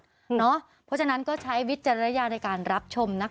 เพราะฉะนั้นก็ใช้วิจารณญาณในการรับชมนะคะ